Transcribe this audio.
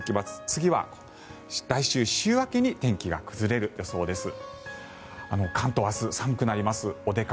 次は来週週明けに天気が崩れる予想です。